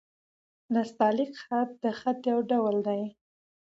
نستعلیق خط؛ د خط يو ډول دﺉ.